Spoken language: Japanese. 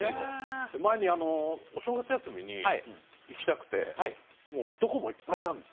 前にお正月休みに行きたくてどこもいっぱいなんです。